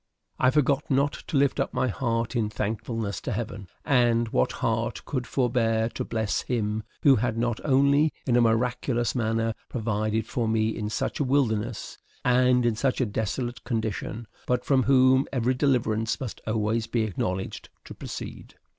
I forgot not to lift up my heart in thankfulness to Heaven; and what heart could forbear to bless Him who had not only in a miraculous manner provided for me in such a wilderness, and in such a desolate condition, but from whom every deliverance must always be acknowledged to proceed.